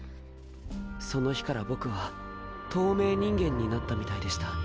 その日から僕は透明人間になったみたいでした。